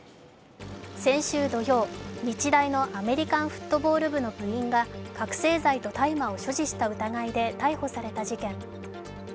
先週土曜、日大のアメリカンフットボール部の部員が覚醒剤と大麻を所持した疑いで逮捕された事件。